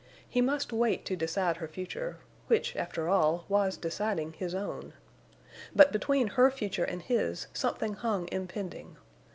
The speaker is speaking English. He must wait to decide her future, which, after all, was deciding his own. But between her future and his something hung impending.